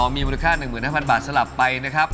มีมูลค่า๑๕๐๐บาทสลับไปนะครับ